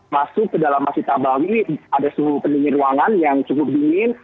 masuk ke dalam masjid tabawi ada suhu pendingin ruangan yang cukup dingin